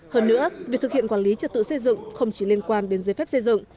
hơn nữa việc thực hiện quản lý trật tự xây dựng không chỉ liên quan đến giấy phép xây dựng